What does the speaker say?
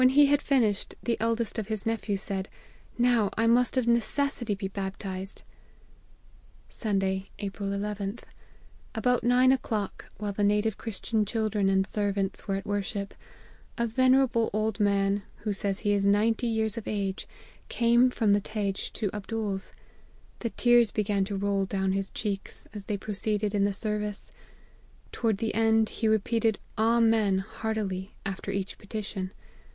When he had finished, the eldest of his nephews said, ' Now I must of necessity be baptized.' "Sunday, April \\tli. About nine o'clock, while the native Christian children and servants were at worship, a venerable old man, who says he is ninety years of age, came from the Tage to Abdool's. The tears began to roll down his cheeks, as they proceeded in the service : toward the end, he re peated ' Amen' heartily, after each petition.